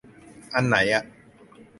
อันไหนอ่ะ